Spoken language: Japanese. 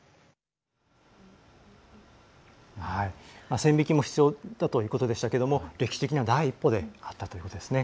線引きも必要だということでしたけれども歴史的な第一歩であったということですね。